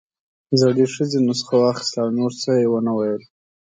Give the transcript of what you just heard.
زړې ښځې نسخه واخيسته او نور څه يې ونه ويل.